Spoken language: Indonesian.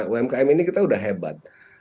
umkm ini kita sudah hebat